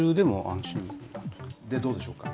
で、どうでしょうか？